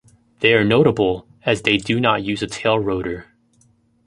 They are notable as they do not use a tail-rotor.